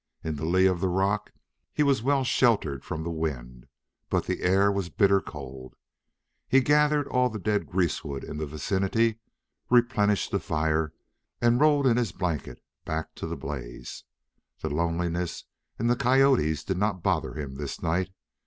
In the lee of the rock he was well sheltered from the wind, but the air, was bitter cold. He gathered all the dead greasewood in the vicinity, replenished the fire, and rolled in his blanket, back to the blaze. The loneliness and the coyotes did not bother him this night.